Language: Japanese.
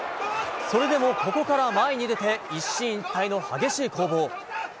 それでも、ここから前に出て一進一退の激しい攻防。